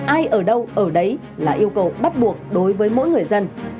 ai ở đâu ở đấy là yêu cầu bắt buộc đối với mỗi người dân